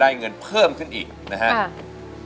แต่เงินมีไหม